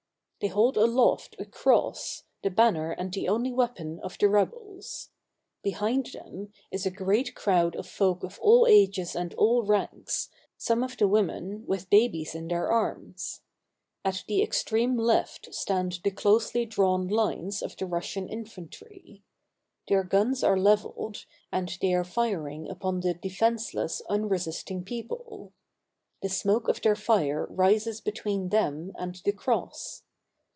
They hold aloft a cross, the banner and the only weapon of the rebels. Behind them is a great crowd of folk of all ages and all ranks, some of the women with babies in their arms. At the extreme left stand the closely drawn lines of the Rus sian infantry. Their guns are leveled, and they are firing upon the defenseless, unresisting people. The smoke of their fire rises between them and the cross.